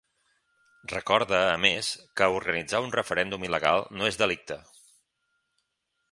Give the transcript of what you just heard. Recorda, endemés, que organitzar un referèndum il·legal no és delicte.